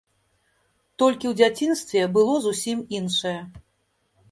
Толькі ў дзяцінстве было зусім іншае.